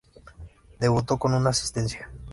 Debutó con una asistencia.